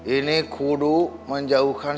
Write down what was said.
ini kudu menjauhkan